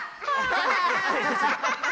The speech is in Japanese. アハハハ！